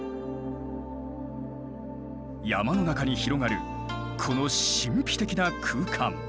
山の中に広がるこの神秘的な空間。